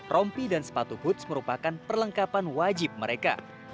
rompi dan sepatu hoots merupakan perlengkapan wajib mereka